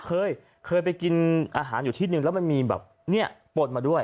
โอ้ยเคยจริงเหรอ